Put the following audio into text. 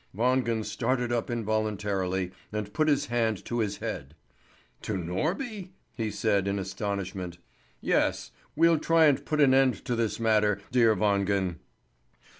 Wangen started up involuntarily, and put his hand to his head. "To Norby?" he said in astonishment. "Yes. We'll try and put an end to this matter, dear Wangen."